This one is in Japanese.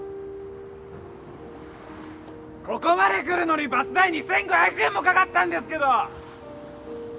ここまで来るのにバス代２，５００円も掛かったんですけど！